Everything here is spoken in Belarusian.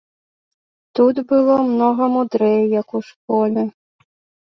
Тут было многа мудрэй, як у школе.